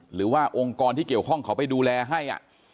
หรือว่าองค์กรที่เกี่ยวข้องเขาไปดูแลให้